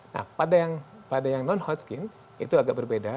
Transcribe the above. nah pada yang non hodgkin itu agak berbeda